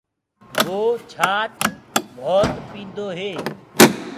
وو ڇآچ ڀوت پيٚندو هي۔